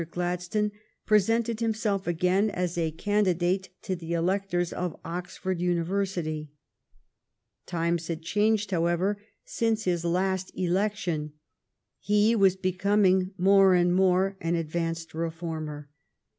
Glad stone presented himself again as a candidate to the electors of Oxford University. Times had THE AMERICAN CIVIL WAR 241 changed, however, since his latest election. He was becoming more and more an advanced re former.